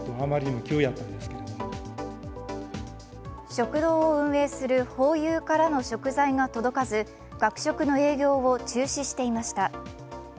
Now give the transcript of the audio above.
食堂を運営するホーユーからの食材が届かず、学食の営業を中止していました。